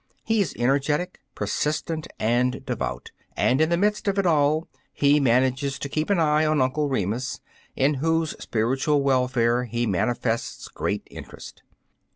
He is energetic, per sistent and devout, and in the midst of it all, he manages to keep an eye on Uncle Remus, in whose spiritual welfare he mani fests great interest.